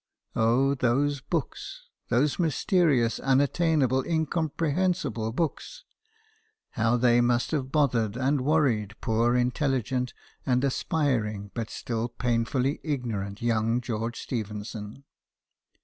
Oh, those books ; those mys terious, unattainable, incomprehensible books ; how they must have bothered and worried poor intelligent and aspiring bat still painfully igno rant young George Stephenson